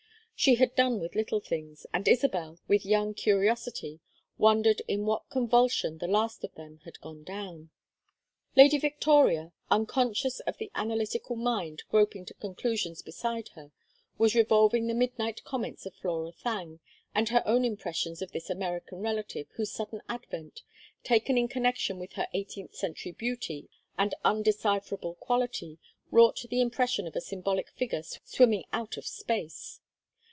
She had done with little things, and Isabel, with young curiosity, wondered in what convulsion the last of them had gone down. Lady Victoria, unconscious of the analytical mind groping to conclusions beside her, was revolving the midnight comments of Flora Thangue, and her own impressions of this American relative whose sudden advent, taken in connection with her eighteenth century beauty and undecipherable quality, wrought the impression of a symbolic figure swimming out of space.